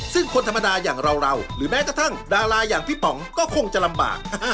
ซึ่งคนธรรมดาอย่างเราหรือแม้กระทั่งดาราอย่างพี่ป๋องก็คงจะลำบาก